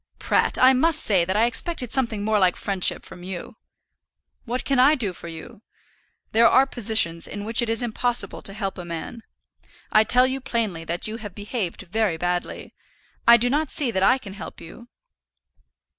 "Pratt, I must say that I expected something more like friendship from you." "What can I do for you? There are positions in which it is impossible to help a man. I tell you plainly that you have behaved very badly. I do not see that I can help you."